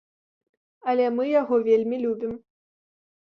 Але мы яго вельмі любім.